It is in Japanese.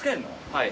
はい。